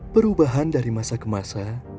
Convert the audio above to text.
perubahan dari masa ke masa